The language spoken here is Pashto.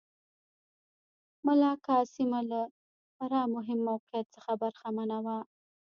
ملاکا سیمه له خورا مهم موقعیت څخه برخمنه وه.